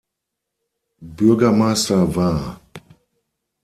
Bürgermeister war.